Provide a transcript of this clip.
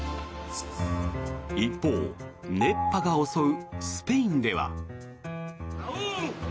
一方熱波が襲うスペインでは。